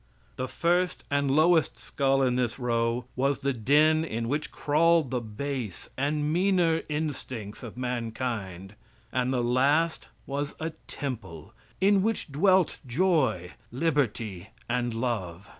The first and lowest skull in this row was the den in which crawled the base and meaner instincts of mankind, and the last was a temple in which dwelt joy, liberty and love.